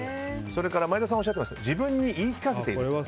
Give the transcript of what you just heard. それから、前田さんがおっしゃっていましたけど自分に言い聞かせている。